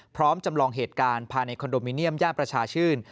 จำลองเหตุการณ์ภายในคอนโดมิเนียมย่านประชาชื่น